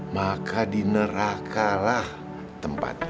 maka di neraka lah tempatnya